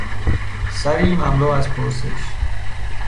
سری مملو از پرسش